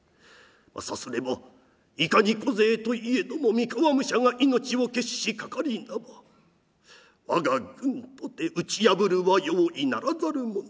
さすればいかに小勢といえども三河武者が命を決しかかりいなば我が軍とて打ち破るは容易ならざるもの。